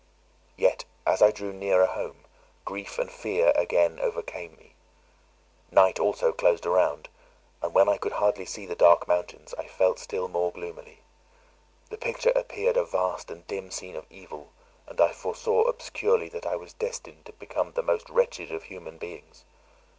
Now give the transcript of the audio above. Yet, as I drew nearer home, grief and fear again overcame me. Night also closed around; and when I could hardly see the dark mountains, I felt still more gloomily. The picture appeared a vast and dim scene of evil, and I foresaw obscurely that I was destined to become the most wretched of human beings.